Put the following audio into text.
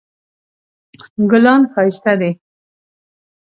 ګلان ښایسته دي